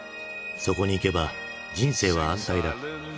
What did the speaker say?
「そこに行けば人生は安泰だ」。